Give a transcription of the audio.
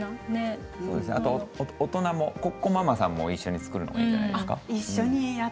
大人もママさんも一緒に作るのがいいんじゃないですか。